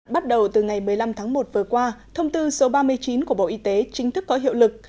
bắt đầu từ ngày một mươi năm tháng một vừa qua thông tư số ba mươi chín của bộ y tế chính thức có hiệu lực